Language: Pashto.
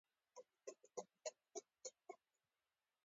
جرګه د دواړو خواوو خبرې اوري.